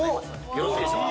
よろしいでしょうか。